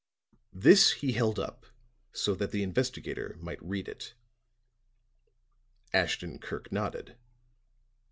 This he held up so that the investigator might read it. Ashton Kirk nodded.